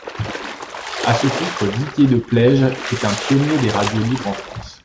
À ce titre Didier de Plaige est un pionnier des radios libres en France.